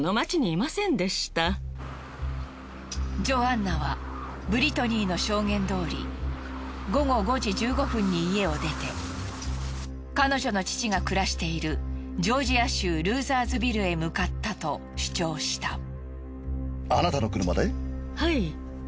ジョアンナはブリトニーの証言どおり午後５時１５分に家を出て彼女の父が暮らしているジョージア州ルーザーズビルへ向かったと主張した。